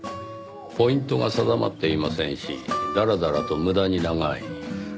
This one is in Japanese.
ポイントが定まっていませんしだらだらと無駄に長い。